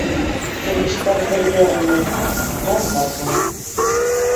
Себештәр бергә йыйылһа, ямғыр була.